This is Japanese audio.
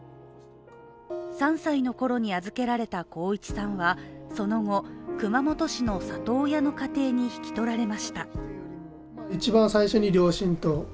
３歳のころに預けられた航一さんはその後、熊本市の里親の家庭に引き取られました。